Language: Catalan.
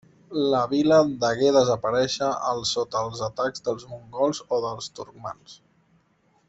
La vila degué desaparèixer al sota els atacs dels mongols o dels turcmans.